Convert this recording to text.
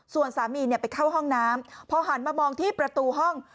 ส่วนสามีไปเข้าห้องน้ำพอหันมามองที่ประตูห้อง